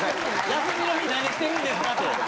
休みの日何してるんですかって。